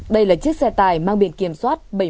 đây là chiếc xe tải mang biển kiểm soát